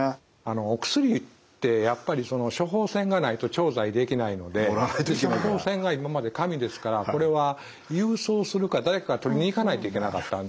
お薬ってやっぱり処方箋がないと調剤できないので処方箋が今まで紙ですからこれは郵送するか誰かが取りに行かないといけなかったんですね。